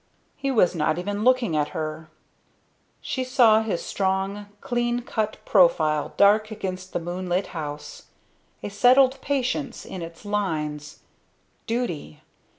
He was not even looking at her; she saw his strong, clean cut profile dark against the moonlit house, a settled patience in its lines. Duty!